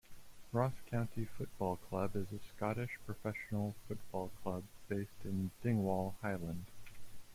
Ross County Football Club is a Scottish professional football club based in Dingwall, Highland.